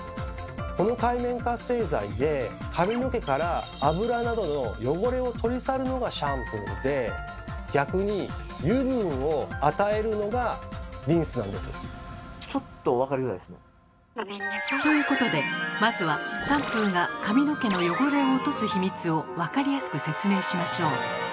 この界面活性剤で髪の毛から油などの汚れを取り去るのがシャンプーで逆に油分を与えるのがリンスなんです。ということでまずはシャンプーが髪の毛の汚れを落とすヒミツを分かりやすく説明しましょう。